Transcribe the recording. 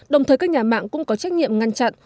đồng thời các nhà mạng cũng có trách nhiệm ngăn chặn